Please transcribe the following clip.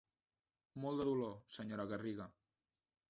Molt de dolor, senyora Garriga.